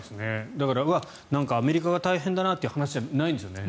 だから、なんかアメリカが大変だなという話じゃないんですよね。